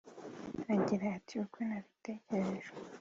Agira ati «Uko nabitekereje